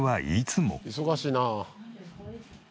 忙しいな。